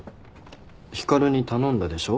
光に頼んだでしょ？